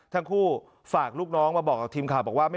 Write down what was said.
ทั้งคู่ฝากลูกน้องมาบอกกับทีมข่าวบอกว่า